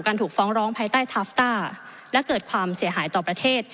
ถูกฟ้องร้องภายใต้ทาฟต้าและเกิดความเสียหายต่อประเทศ